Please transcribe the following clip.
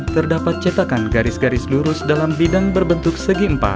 terdapat cetakan garis garis lurus dalam bidang berbentuk segi empat